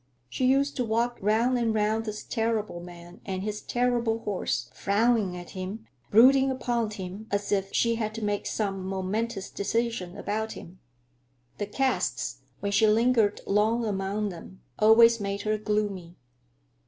She used to walk round and round this terrible man and his terrible horse, frowning at him, brooding upon him, as if she had to make some momentous decision about him. The casts, when she lingered long among them, always made her gloomy.